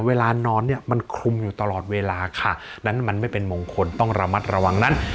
เวลานอนเนี่ยมันคลุมอยู่ตลอดเวลาค่ะนั้นมันไม่เป็นมงคลต้องระมัดระวังนั้น